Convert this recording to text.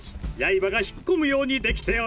刃が引っ込むようにできておるのです！